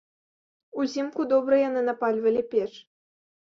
Узімку добра яны напальвалі печ.